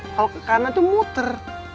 kalau ke kanan itu muter